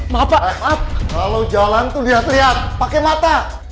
maaf kalo jalan tuh liat liat pake mata